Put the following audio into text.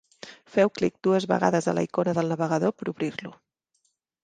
Feu clic dues vegades a la icona del navegador per obrir-lo.